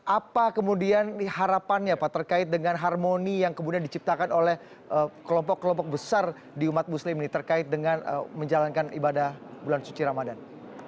apa kemudian harapannya pak terkait dengan harmoni yang kemudian diciptakan oleh kelompok kelompok besar di umat muslim ini terkait dengan menjalankan ibadah bulan suci ramadan